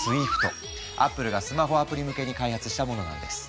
Ａｐｐｌｅがスマホアプリ向けに開発したものなんです。